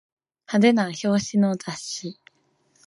派手な表紙の雑誌